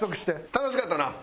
楽しかったな。